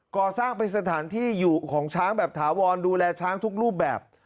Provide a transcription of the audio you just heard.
ก่อสร้างเป็นสถานที่อยู่ของช้างแบบถาวรดูแลช้างทุกรูปแบบ